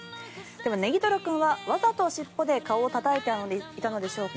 では、ねぎとろ君はわざと尻尾で顔をたたいていたのでしょうか。